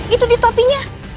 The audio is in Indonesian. itu di topinya